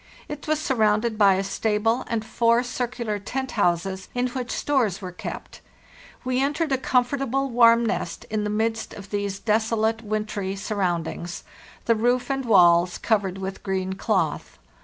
It was surrounded by a stable and four circular tent houses, in which stores were kept. We entered a comfortable, warm nest in the midst of these desolate, wintry surroundings, the roof and walls covered with green cloth.